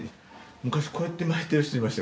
昔こうやって巻いてる人いました。